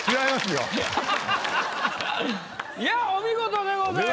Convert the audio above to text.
いやお見事でございました。